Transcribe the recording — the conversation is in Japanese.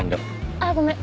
ああごめん。